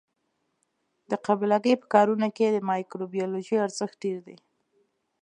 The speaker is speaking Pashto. د قابله ګۍ په کارونو کې د مایکروبیولوژي ارزښت ډېر دی.